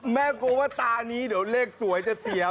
กลัวว่าตานี้เดี๋ยวเลขสวยจะเสียว